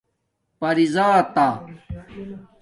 پری زاتہ